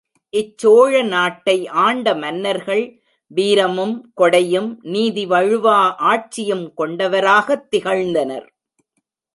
இச் சோழநாட்டை ஆண்ட மன்னர்கள் வீரமும், கொடையும், நீதி வழுவா ஆட்சியும் கொண்டவராகத் திகழ்ந்தனர்.